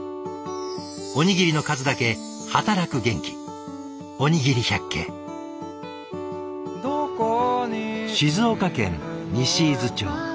おにぎりの数だけ働く元気静岡県西伊豆町。